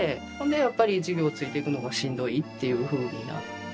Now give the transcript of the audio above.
やっぱり授業ついていくのがしんどいっていうふうになって。